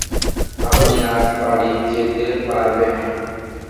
আপনি আজ বাড়ি যেতে পারবেন।